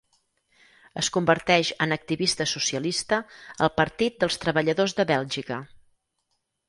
Es converteix en activista socialista al Partit dels Treballadors de Bèlgica.